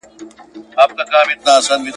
وږی نس دي له وښو څخه محروم دی `